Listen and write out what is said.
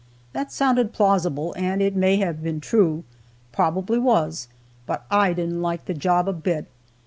That sounded plausible, and it may have been true, probably was, but I didn't like the job a bit.